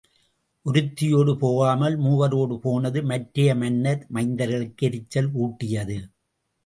ஒருத்தியோடு போகாமல் மூவரோடு போனது மற்றைய மன்னர் மைந்தர்களுக்கு எரிச்சல் ஊட்டியது.